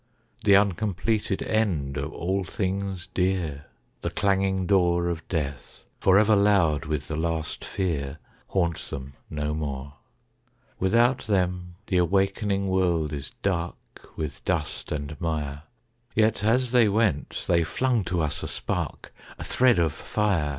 The uncompleted end of all things dear, The clanging door Of Death, forever loud with the last fear, Haunt them no more. Without them the awakening world is dark With dust and mire; Yet as they went they flung to us a spark, A thread of fire.